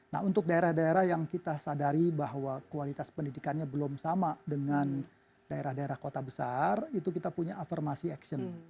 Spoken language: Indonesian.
nah untuk daerah daerah yang kita sadari bahwa kualitas pendidikannya belum sama dengan daerah daerah kota besar itu kita punya afirmasi action